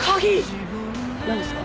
何ですか？